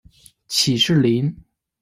起士林。